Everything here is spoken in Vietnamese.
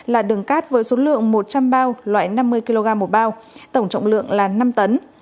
là đường cát với số lượng một trăm linh bao loại năm mươi kg một bao tổng trọng lượng là năm tấn